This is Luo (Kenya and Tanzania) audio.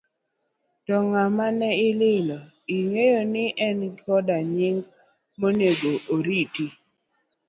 To ng'ama ne ililo, ing'eyo ni en koda nying' monego oriti?